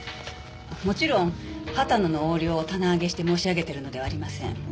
もちろん畑野の横領を棚上げして申し上げているのではありません。